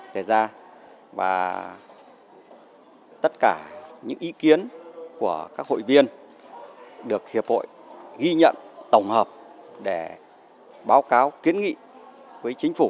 đề ra và tất cả những ý kiến của các hội viên được hiệp hội ghi nhận tổng hợp để báo cáo kiến nghị với chính phủ